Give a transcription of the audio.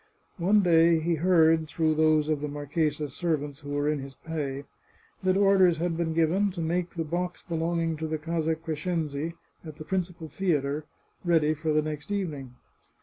One day he heard, through those of the marchesa's serv ants who were in his pay, that orders had been given to make the box belonging to the Casa Crescenzi, at the prin cipal theatre, ready for the next evening.